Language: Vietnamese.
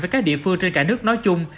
với các địa phương trên cả nước nói chung